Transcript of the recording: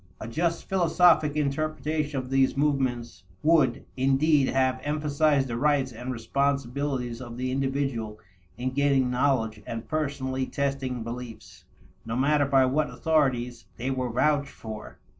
A just philosophic interpretation of these movements would, indeed, have emphasized the rights and responsibilities of the individual in gaining knowledge and personally testing beliefs, no matter by what authorities they were vouched for.